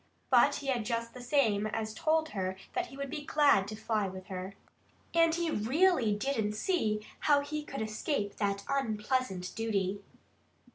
But he had just the same as told her that he would be glad to fly with her. And he really didn't see how he could escape that unpleasant duty.